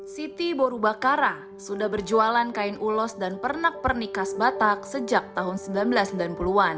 siti borubakara sudah berjualan kain ulos dan pernak pernik khas batak sejak tahun seribu sembilan ratus sembilan puluh an